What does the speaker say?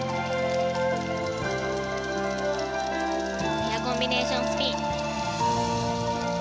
ペアコンビネーションスピン。